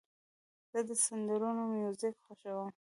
زه د سندرو میوزیک خوښوم.